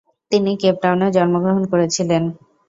তিনি কেপ টাউনে জন্মগ্রহণ করেছিলেন।